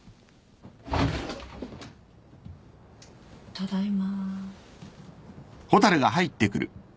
・ただいま。